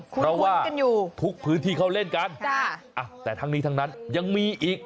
เพราะว่าทุกพื้นที่เขาเล่นกันแต่ทั้งนี้ทั้งนั้นยังมีอีก